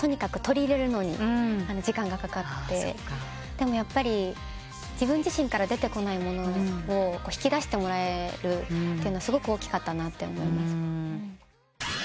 でもやっぱり自分自身から出てこないものを引き出してもらえるのはすごく大きかったなと思います。